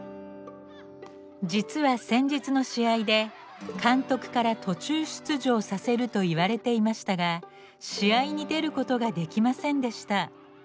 実は先日の試合で監督から「途中出場させる」と言われていましたが試合に出ることができませんでした。